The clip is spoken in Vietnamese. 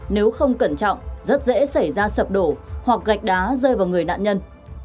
nếu không cẩn trọng rất dễ xảy ra sập đổ hoặc gạch đá rơi vào người nạn nhân